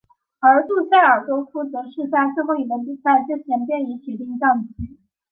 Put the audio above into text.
而杜塞尔多夫则是在最后一轮比赛之前便已铁定降级。